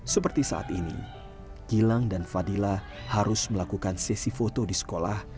seperti saat ini gilang dan fadila harus melakukan sesi foto di sekolah